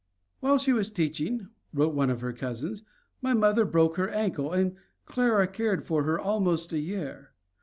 "While she was teaching," wrote one of her cousins, "my mother broke her ankle and Clara cared for her almost a year.